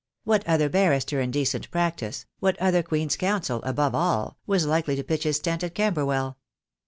What other barrister in de cent practice, what other Queen's Counsel, above all, was likely to pitch his tent at Camberwell?